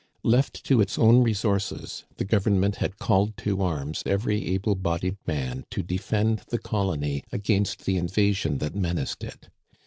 Left to its own resources, the Government had called to arms every able bodied man to defend the colony against the invasion that menaced it.